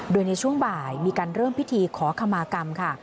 โดยในช่วงบ่ายมีการเริ่มพิธีขอขมากรรมค่ะ